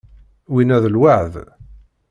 Winna d lweεd.